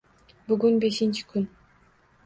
Bugun beshinchi kun.